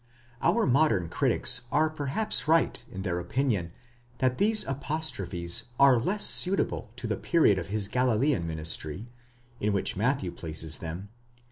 Our modern critics are perhaps right in their opinion that these apostrophes are less suitable to the period of his Galilean ministry, in which Matthew places 8 Comp.